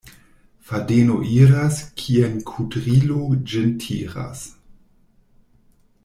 Fadeno iras, kien kudrilo ĝin tiras.